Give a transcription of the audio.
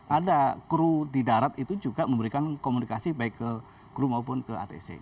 ada kru di darat itu juga memberikan komunikasi baik ke kru maupun ke atc